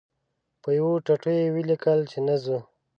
په یوه ټوټو یې ولیکل چې نه ځو.